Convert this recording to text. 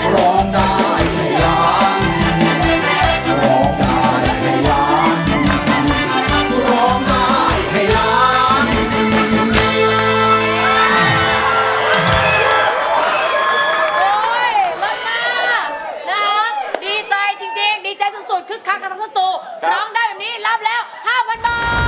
โอ้โหยล่ะมากแล้วดีใจจริงดีใจสุดคืนค้ากับทั้งสัตว์ตรงร้องได้แบบนี้รับแล้ว๕๐๐๐บาท